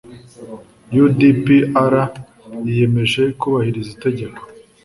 u d p r yiyemeje kubahiriza itegeko